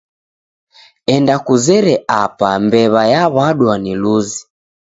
Enda kuzere apa mbew'a yawa'dwa ni luzi